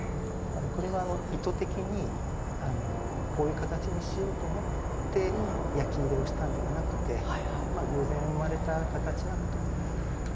これは意図的にこういう形にしようと思って焼き入れをしたんではなくてまあ偶然生まれた形なんだと思いますね。